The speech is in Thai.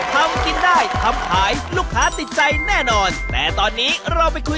ทำกินได้ทำขายลูกค้าติดใจแน่นอนแต่ตอนนี้เราไปคุย